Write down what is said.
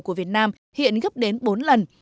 của việt nam hiện gấp đến bốn lần